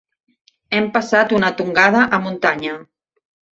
Hem passat una tongada a muntanya.